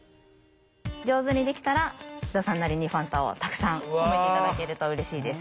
上手にできたら津田さんなりにファンタをたくさん褒めて頂けるとうれしいです。